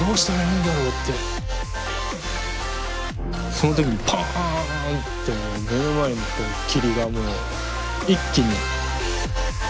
その時にパンってもう目の前の霧がもう一気に。